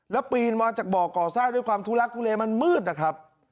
แล้วปีนมาจากบ่อก่อสร้างด้วยความทุลักทุเลมันมืดนะครับ